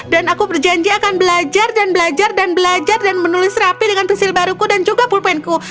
dan aku berjanji akan belajar dan belajar dan belajar dan menulis rapi dengan pensil baruku dan juga pulpenku